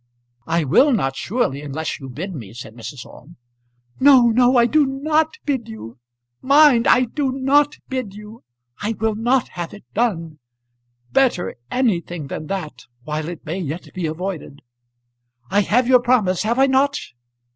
"I will not, surely, unless you bid me," said Mrs. Orme. "No, no; I do not bid you. Mind, I do not bid you. I will not have it done. Better anything than that, while it may yet be avoided. I have your promise; have I not?"